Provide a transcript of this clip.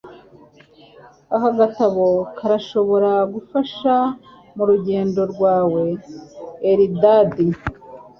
aka gatabo karashobora kugufasha murugendo rwawe. (eldad